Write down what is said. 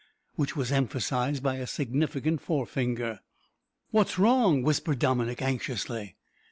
which was emphasised by a significant forefinger. "What's wrong?" whispered Dominick, anxiously.